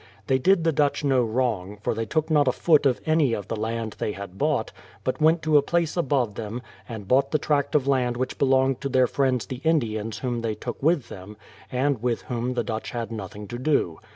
They did the Dutch no wrong, for they took not a foot of any of the land they had bought, but went to a place above them, and bought the tract of land which belonged to their friends the Indians whom they took with them, and with whom the Dutch had nothing to do.